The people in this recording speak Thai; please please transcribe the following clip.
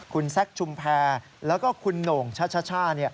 คุณแซคชุมแพรแล้วก็คุณโหน่งช่า